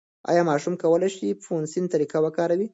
ایا ماشوم کولای شي فونس طریقه وکاروي؟